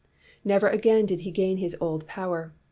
Never again did he gain his old power.